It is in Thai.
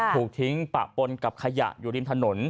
ถูกทิ้งปะปนกับขยะอยู่ริมถนน